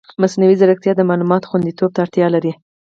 مصنوعي ځیرکتیا د معلوماتو خوندیتوب ته اړتیا لري.